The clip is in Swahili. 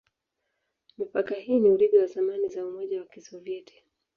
Mipaka hii ni urithi wa zamani za Umoja wa Kisovyeti.